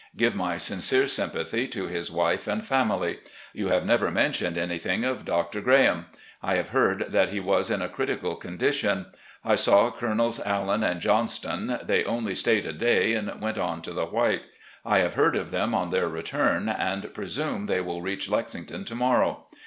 Give my sincere sympathy to his ■wife and family. You have never mentioned anything of Dr, Grahame, I have heard that he was in a critical condition, I saw Colonels Allan and Johnston, They only stayed a day, and went on to the White, I have heard of them on their return, and presume they ■will reach Lexington to morrow.